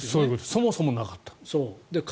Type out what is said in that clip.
そもそもなかったんです。